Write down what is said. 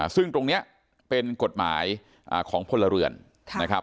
ซึ่งตรงนี้เป็นกฎหมายของพลเรือนนะครับ